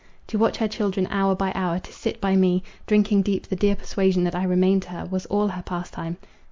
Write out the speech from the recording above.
To watch her children hour by hour, to sit by me, drinking deep the dear persuasion that I remained to her, was all her pastime.